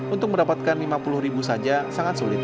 untuk mendapatkan lima puluh ribu saja sangat sulit